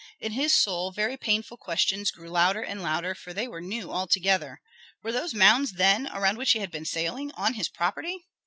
In his soul very painful questions grew louder and louder, for they were new altogether. Were those mounds, then, around which he had been sailing, on his property?